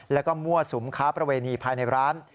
แล้วก็มั่วสุมค้าประเวณีภายในร้าน